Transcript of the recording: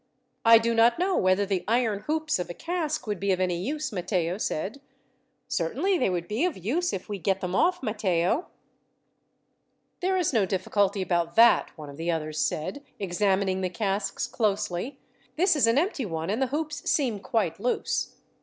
"I do not know whether the iron hoops of a cask would be of any use," Matteo said. "Certainly they would be of use, if we get them off, Matteo." "There is no difficulty about that," one of the others said, examining the casks closely. "This is an empty one, and the hoops seem quite loose."